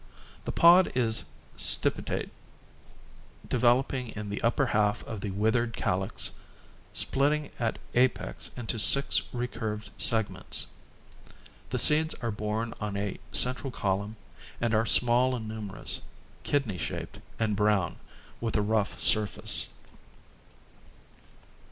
The pod is stipitate, developing in the upper half of the withered calyx, splitting at apex into six recurved segments. The seeds are borne on a central column and are small and numerous, kidney shaped and brown, with a rough surface.